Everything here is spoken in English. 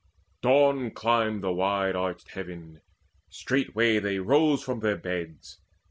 Dawn climbed the wide arched heaven, straightway they Rose from their beds.